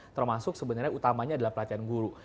termasuk sebenarnya utamanya adalah pelatihan guru